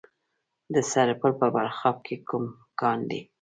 د سرپل په بلخاب کې کوم کان دی؟